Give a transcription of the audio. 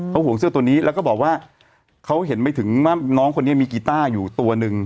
เขาห่วงเสื้อตัวนี้แล้วก็บอกว่าเขาเห็นไม่ถึงว่าน้องคนนี้มีกีต้าอยู่ตัวหนึ่ง